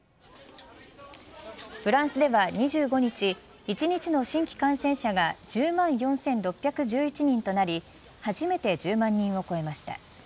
フランスでは２５日１日の新規感染者が１０万４６１１人となり初めて１０万人を超えました。